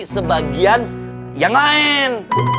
sebagian yang lain